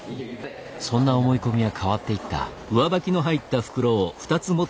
そんな思い込みは変わっていった。